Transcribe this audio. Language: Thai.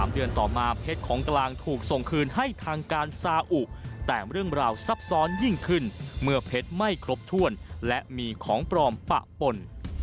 ต่อมาเพชรของกลางถูกส่งคืนให้ทางการซาอุแต่เรื่องราวซับซ้อนยิ่งขึ้นเมื่อเพชรไม่ครบถ้วนและมีของปลอมปะปน